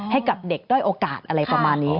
ให้กับเด็กด้อยโอกาสอะไรประมาณนี้